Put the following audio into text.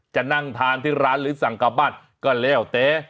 จะนั่งทานที่ร้านหรือสั่งกลับบ้านก็แล้วแต่